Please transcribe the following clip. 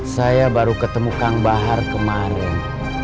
saya baru ketemu kang bahar kemarin